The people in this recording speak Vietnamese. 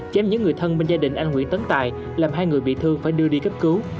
chém những người thân bên gia đình anh nguyễn tấn tài làm hai người bị thương phải đưa đi cấp cứu